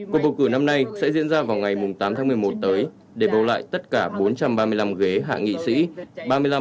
cuộc bầu cử năm nay sẽ diễn ra vào ngày tám tháng một mươi một tới để bầu lại tất cả bốn trăm ba mươi năm ghế hạ nghị sĩ